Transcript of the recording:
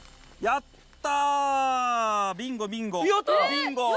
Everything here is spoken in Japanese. やった！